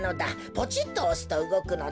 ポチッとおすとうごくのだ。